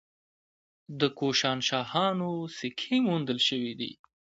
د کوشانشاهانو سکې موندل شوي دي